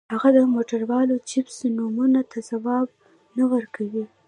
هغه د موټورولا چپس نومونو ته ځواب نه ورکوي